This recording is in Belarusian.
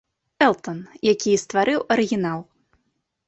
Элтан, які і стварыў арыгінал.